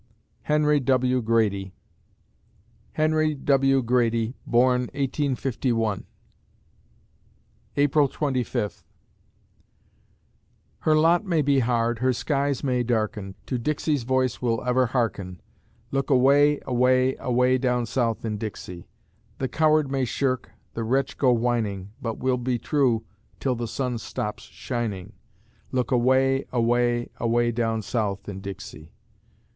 HENRY W. GRADY Henry W. Grady born, 1851 April Twenty Fifth Her lot may be hard, her skies may darken; To Dixie's voice we'll ever hearken; Look away, away, away down South in Dixie. The coward may shirk, the wretch go whining, But we'll be true till the sun stops shining, Look away, away, away down South in Dixie.